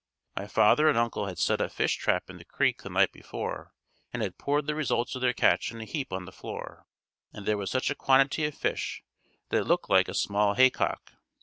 My father and uncle had set a fish trap in the creek the night before and had poured the results of their catch in a heap on the floor and there was such a quantity of fish that it looked like a small haycock.